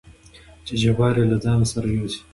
چې جبار يې له ځانه سره يوسي.